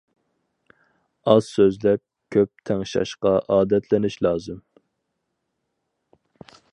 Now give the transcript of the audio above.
ئاز سۆزلەپ كۆپ تىڭشاشقا ئادەتلىنىش لازىم.